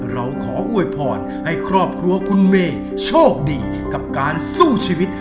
เราขออวยพรให้ครอบครัวคุณเมย์โชคดีกับการสู้ชีวิต